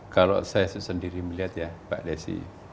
kalau saya sendiri melihat ya pak desi